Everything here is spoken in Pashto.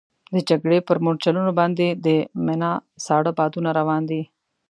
د جګړې پر مورچلونو باندې د مني ساړه بادونه روان دي.